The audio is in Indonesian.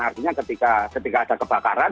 artinya ketika ada kebakaran